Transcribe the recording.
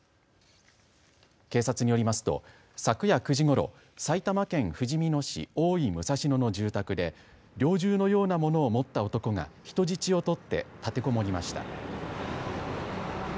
警察によりますと昨夜９時ごろ埼玉県ふじみ野市大井武蔵野の住宅で猟銃のようなものを持った男が人質をとって立てこもりました。